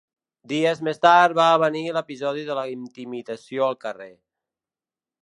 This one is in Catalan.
Dies més tard va venir l’episodi de la intimidació al carrer.